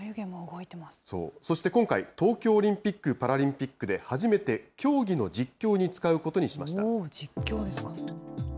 そして今回、東京オリンピック・パラリンピックで初めて競技の実況に使うこと実況ですか。